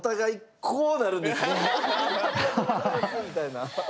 みたいな。